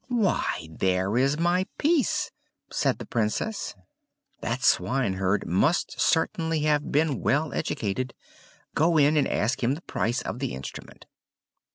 "Why there is my piece," said the Princess. "That swineherd must certainly have been well educated! Go in and ask him the price of the instrument."